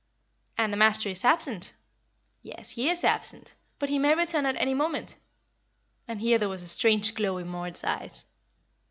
"And the master is absent." "Yes, he is absent but he may return at any moment;" and here there was a strange glow in Moritz's eyes.